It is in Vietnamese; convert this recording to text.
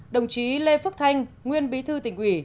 đồng chí lê phước thanh nguyên bí thư tỉnh ủy